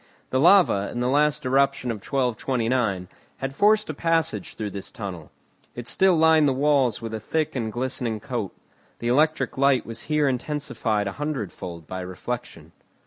The lava, in the last eruption of 1229, had forced a passage through this tunnel. It still lined the walls with a thick and glistening coat. The electric light was here intensified a hundredfold by reflection.